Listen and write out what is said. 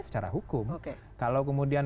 secara hukum kalau kemudian